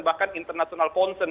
bahkan international konsen